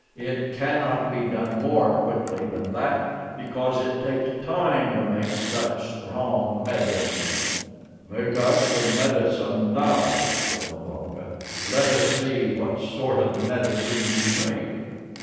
It cannot be done more quickly than that because it takes time to make such strong medicine." "Make us some medicine now," said Mbonga. "Let us see what sort of medicine you make."